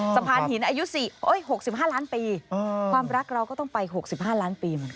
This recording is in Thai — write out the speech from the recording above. สะพานหินอายุ๖๕ล้านปีความรักเราก็ต้องไป๖๕ล้านปีเหมือนกัน